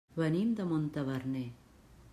Venim de Montaverner.